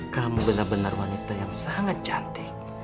kamu benar benar wanita yang sangat cantik